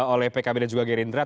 oleh pkb dan juga gerindra